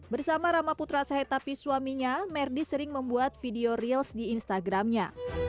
bersama rama putra sheet tapi suaminya merdi sering membuat video reals di instagramnya